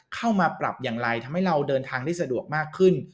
เข้ามาปรับอย่างไรทำให้เราเดินทางได้สะดวกมากขึ้น